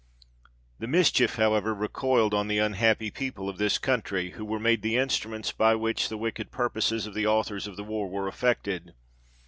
The mischief, however, recoiled on the un happy people of this country, who were made the instruments by which the wicked purposes of the authors of the war were effected.